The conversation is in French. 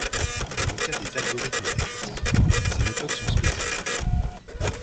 Dans le cas des algorithmes récursifs, ces méthodes sont spécifiques.